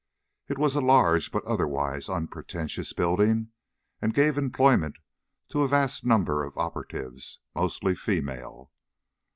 It was a large but otherwise unpretentious building, and gave employment to a vast number of operatives, mostly female.